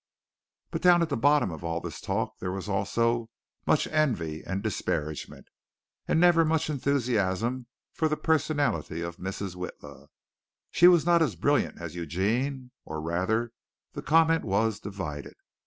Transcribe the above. But down at the bottom of all this talk there was also much envy and disparagement and never much enthusiasm for the personality of Mrs. Witla. She was not as brilliant as Eugene or rather the comment was divided.